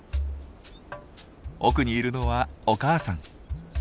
奥にいるのはお母さん。